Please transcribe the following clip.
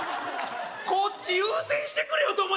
こっち優先してくれよ